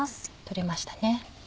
取れましたね。